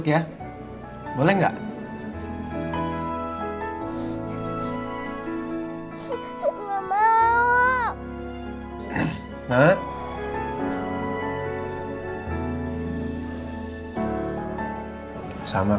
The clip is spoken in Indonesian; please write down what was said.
kalau dia tahu apa kok mau gampang ngelas disalah